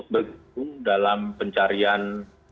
berhubung dalam pencarian